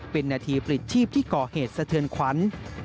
เป็นนาทีปลิดชีพที่ก่อเหตุสะเทือนขวัญ